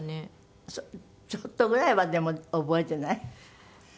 ちょっとぐらいはでも覚えてない？